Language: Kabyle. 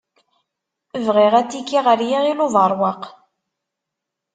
Bɣiɣ atiki ɣer Yiɣil Ubeṛwaq.